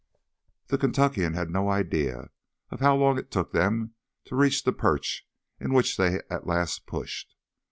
The Kentuckian had no idea of how long it took them to reach the perch into which they at last pushed.